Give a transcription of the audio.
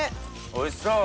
おいしそう！